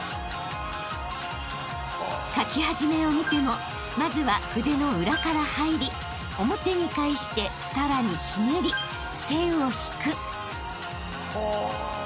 ［書き始めを見てもまずは筆の裏から入り表に返してさらにひねり線を引く］